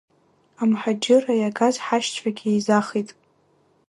Амҳаџьырра иагаз ҳашьцәагь еизахит…